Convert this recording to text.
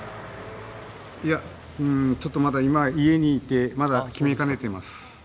ちょっと今、家にいてまだ決めかねています。